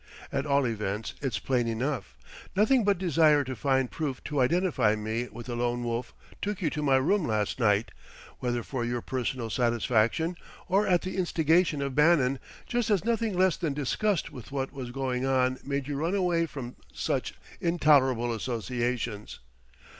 At all events, it's plain enough, nothing but desire to find proof to identify me with the Lone Wolf took you to my room last night whether for your personal satisfaction or at the instigation of Bannon just as nothing less than disgust with what was going on made you run away from such intolerable associations....